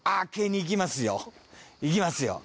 行きますよ。